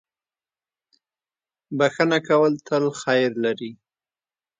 • بښنه کول تل خیر لري.